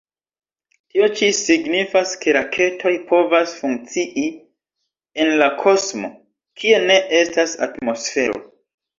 Tio ĉi signifas ke raketoj povas funkcii en la kosmo, kie ne estas atmosfero.